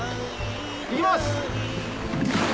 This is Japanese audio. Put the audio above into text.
行きます！